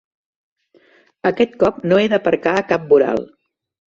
Aquest cop no he d'aparcar a cap voral.